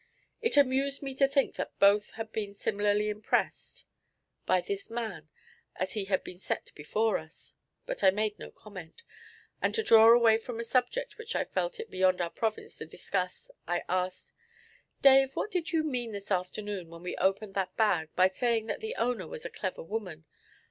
It amused me to think that both had been similarly impressed by this man as he had been set before us; but I made no comment, and to draw away from a subject which I felt it beyond our province to discuss I asked: 'Dave, what did you mean this afternoon, when we opened that bag, by saying that the owner was a clever woman?